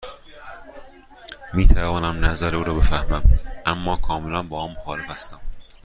می توانم نظر او را بفهمم، اما کاملا با آن مخالف هستم.